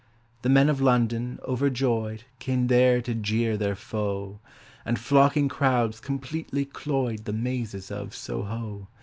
The Men of London, overjoyed, Came there to jeer their foe And flocking crowds completely cloyed The mazes of Soho.